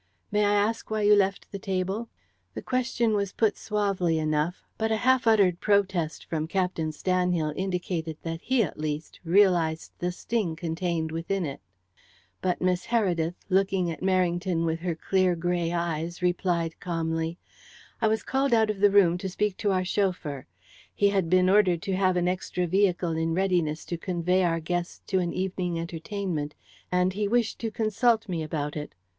"May I ask why you left the table?" The question was put suavely enough, but a half uttered protest from Captain Stanhill indicated that he, at least, realized the sting contained within it. But Miss Heredith, looking at Merrington with her clear grey eyes, replied calmly: "I was called out of the room to speak to our chauffeur. He had been ordered to have an extra vehicle in readiness to convey our guests to an evening entertainment, and he wished to consult me about it."